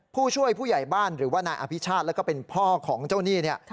ผู้ช่วยผู้ใหญ่บ้านหรือว่านายอภิชาติแล้วก็เป็นพ่อของเจ้าหนี้เนี่ย